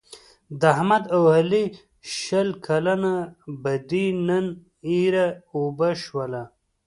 د احمد او علي شل کلنه بدي نن ایرې اوبه شوله.